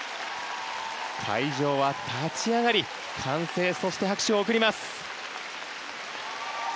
会場は立ち上がり歓声、拍手を送ります。